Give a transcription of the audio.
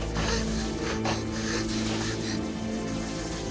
padahal kan tadi bergetar